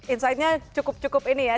insightnya cukup cukup ini ya